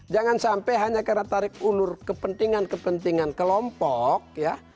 jangan sampai hanya karena tarik ulur kepentingan kepentingan kelompok ya